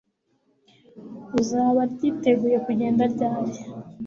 Uzaba ryiteguye kugenda ryari